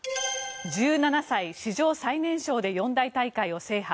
１７歳、史上最年少で四大大会を制覇。